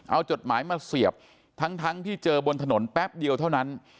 เอาจดหมายมาเสียบทั้งที่เจอบนถนนแป๊บเดียวเท่านั้น